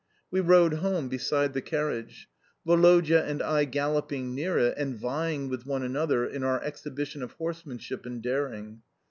We rode home beside the carriage Woloda and I galloping near it, and vieing with one another in our exhibition of horsemanship and daring.